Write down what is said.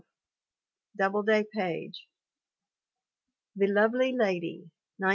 Doubleday, Page. The Lovely Lady, 1913.